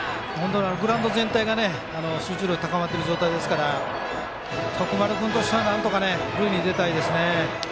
グラウンド全体が集中力高まってる状態ですから徳丸君としてはなんとか、塁に出たいですね。